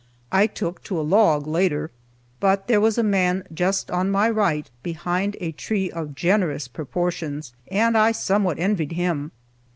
I took to a log later. But there was a man just on my right behind a tree of generous proportions, and I somewhat envied him.